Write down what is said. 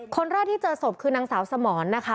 คนรอดที่เจอสมบคือนางเสาสมอนนะคะ